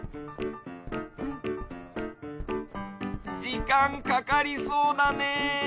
じかんかかりそうだね。